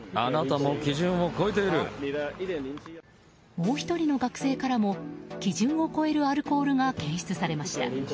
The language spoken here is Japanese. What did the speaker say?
もう１人の学生からも基準を超えるアルコールが検出されました。